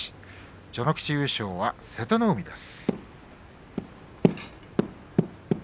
序ノ口優勝は瀬戸の海です。